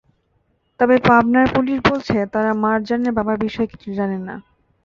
তবে পাবনার পুলিশ বলছে, তারা মারজানের বাবার বিষয়ে কিছু জানে না।